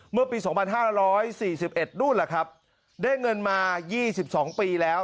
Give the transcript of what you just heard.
เมื่อปี๒๕๔๑นู่นล่ะครับได้เงินมา๒๒ปีแล้ว